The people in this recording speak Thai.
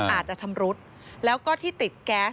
อาจจะชำรุดแล้วก็ที่ติดแก๊ส